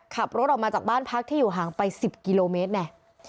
ขับรถออกมาจากบ้านพักที่อยู่ห่างไป๑๐กิโลเมตรเนี่ย